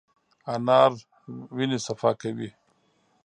انار د وینې صفا کوي.